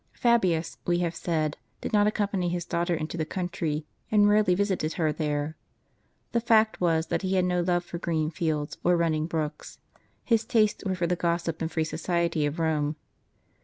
Fabius, we have said, did not accompany his daughter into the country, and rarely visited her there. The fact was, that he had no love for green fields or running brooks ; his tastes were for the gossip and free society of Eome.